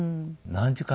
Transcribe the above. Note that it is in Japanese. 何時間？